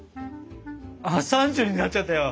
３０になっちゃったよ。